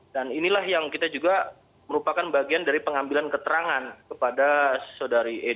inilah yang kita juga merupakan bagian dari pengambilan keterangan kepada saudari e